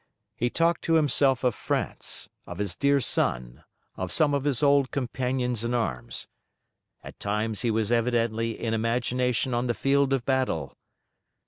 He talked to himself of France, of his dear son, of some of his old companions in arms. At times he was evidently in imagination on the field of battle.